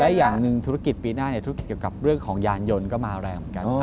และอย่างหนึ่งธุรกิจปีหน้าธุรกิจเกี่ยวกับเรื่องของยานยนต์ก็มาแรงเหมือนกัน